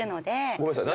ごめんなさい。